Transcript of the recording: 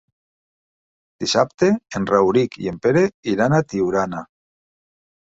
Dissabte en Rauric i en Pere iran a Tiurana.